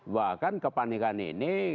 bahkan kepanikan ini